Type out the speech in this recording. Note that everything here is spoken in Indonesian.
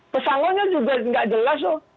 pesangonnya juga nggak jelas loh